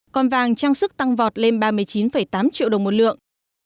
còn vàng trang sức tăng vọt lên ba mươi chín tám triệu đồng một lượng